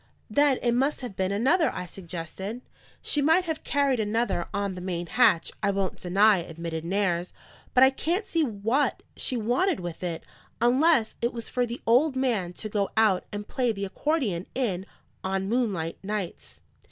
"Then it must have been another," I suggested. "She might have carried another on the main hatch, I won't deny," admitted Nares; "but I can't see what she wanted with it, unless it was for the old man to go out and play the accordion in, on moonlight nights."